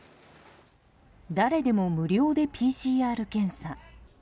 誰でも無料でＰＣＲ検査。